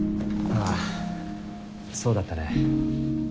ああそうだったね。